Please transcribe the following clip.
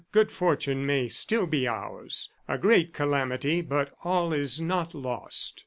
Good fortune may still be ours. A great calamity, but all is not lost."